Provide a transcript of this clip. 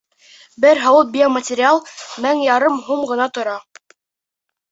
Бер һауыт биоматериал мең ярым һум ғына тора.